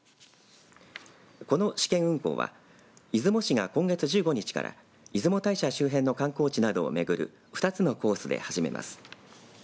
この試験運行は出雲市が今月１５日から出雲大社周辺の観光地などを巡る２つのコースで始めます。